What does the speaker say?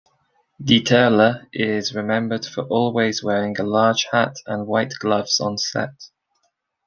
Dieterle is remembered for always wearing a large hat and white gloves on set.